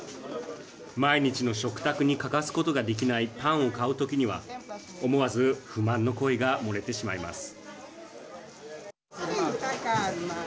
毎日の食卓に欠かすことができないパンを買うときには思わず不満の声が漏れてしまいます。